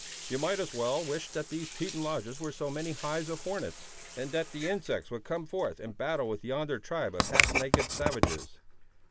"You might as well wish that these Teton lodges were so many hives of hornets, and that the insects would come forth and battle with yonder tribe of half naked savages."